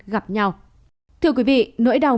gặp nhau thưa quý vị nỗi đau